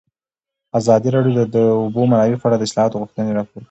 ازادي راډیو د د اوبو منابع په اړه د اصلاحاتو غوښتنې راپور کړې.